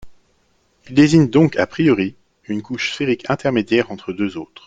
Il désigne donc a priori une couche sphérique intermédiaire entre deux autres.